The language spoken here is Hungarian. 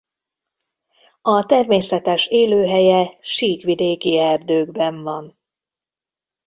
A természetes élőhelye síkvidéki erdőkben van.